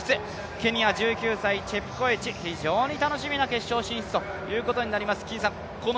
ケニア１９歳、チェプコエチ、非常に楽しみな決勝進出ということになります。